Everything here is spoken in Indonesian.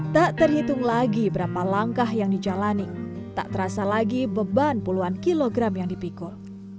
tak terhitung lagi berapa langkah yang dijalani tak terasa lagi beban puluhan kilogram yang dipikul